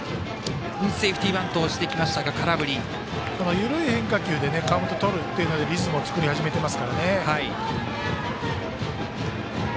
緩い変化球でカウントとるというのでリズムを作り始めてますからね。